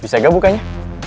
bisa gak bukanya